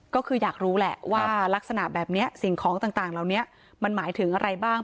ก็คืออยากรู้แหละว่ารักษณะแบบนี้สิ่งของต่างเหล่านี้มันหมายถึงอะไรบ้าง